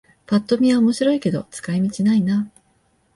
ぱっと見は面白いけど使い道ないな